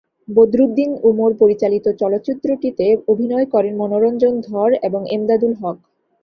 বদরুদ্দীন উমর পরিচালিত চলচ্চিত্রটিতে অভিনয় করেন মনোরঞ্জন ধর এবং এমদাদুল হক।